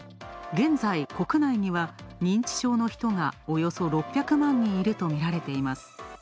現在、国内には認知症の人がおよそ６００万人いるとみられています。